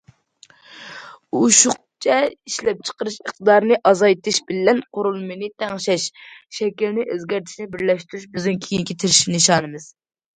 ئوشۇقچە ئىشلەپچىقىرىش ئىقتىدارىنى ئازايتىش بىلەن قۇرۇلمىنى تەڭشەش، شەكىلنى ئۆزگەرتىشنى بىرلەشتۈرۈش بىزنىڭ كېيىنكى تىرىشىش نىشانىمىز.